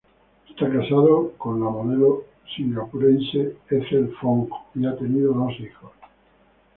Está casado con la modelo singapurense Ethel Fong y ha tenido dos hijos.